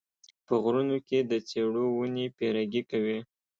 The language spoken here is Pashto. په غرونو کې د څېړو ونې پیرګي کوي